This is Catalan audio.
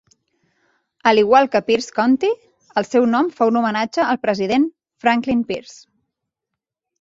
Al igual que Pierce County, el seu nom fa un homenatge al president Franklin Pierce.